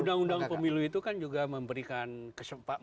undang undang pemilu itu kan juga memberikan kesempatan